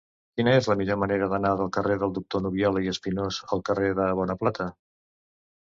Quina és la millor manera d'anar del carrer del Doctor Nubiola i Espinós al carrer de Bonaplata?